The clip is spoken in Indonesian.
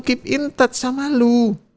keep in touch sama lu